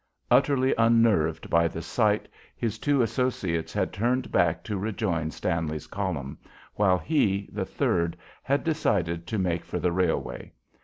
Utterly unnerved by the sight, his two associates had turned back to rejoin Stanley's column, while he, the third, had decided to make for the railway.